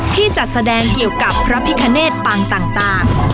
ที่จัดแสดงเกี่ยวกับพระพิคเนตปางต่าง